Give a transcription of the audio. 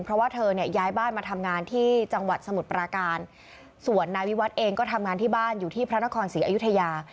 เพราะว่าเธอเนี่ยย้ายบ้านมาทำงานที่จังหวัดสมุทรปราการส่วนนายวิวัฒน์เองก็ทำงานที่บ้านอยู่ที่พระนครศรีอยุธยา